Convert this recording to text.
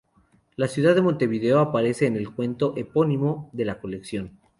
La ciudad de Montevideo aparece en el cuento epónimo de la colección.